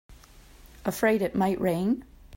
Afraid it might rain?